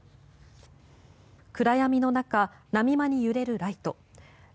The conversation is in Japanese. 暗闇の中、波間に揺れるライト。